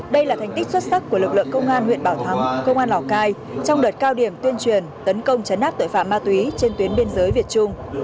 đây là thành tích xuất sắc của lực lượng công an huyện bảo thắng công an lào cai trong đợt cao điểm tuyên truyền tấn công chấn áp tội phạm ma túy trên tuyến biên giới việt trung